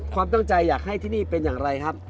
ความตั้งใจอยากให้ที่นี่เป็นอย่างไรครับ